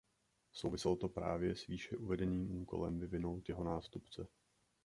Souviselo to právě s výše uvedeným úkolem vyvinout jeho nástupce.